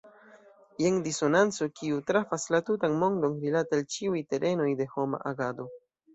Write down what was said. Jen disonanco kiu trafas la tutan mondon rilate al ĉiuj terenoj de homa agado.